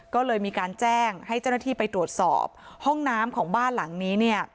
ก็เลยมีการแจ้งให้เจ้าหน้าที่ไปตรวจสอบห้องน้ำของบ้านหลังนี้เนี่ย